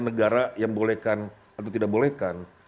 negara yang bolehkan atau tidak bolehkan